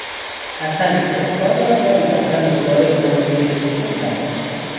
حسن استعفا داد ولی بعدا دوباره به عضویت شرکت درآمد.